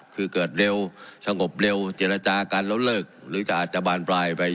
คือเกิดเร็วสงบเร็วเจรจากันแล้วเลิกหรือจะอาจจะบานปลายไป